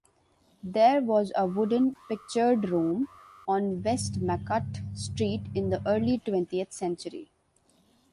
There was a wooden picturedrome on Westmacott Street in the early twentieth century.